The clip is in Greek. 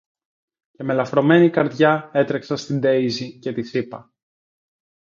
Και με λαφρωμένη καρδιά έτρεξα στη Ντέιζη και της είπα: